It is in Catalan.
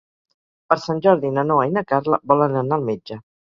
Per Sant Jordi na Noa i na Carla volen anar al metge.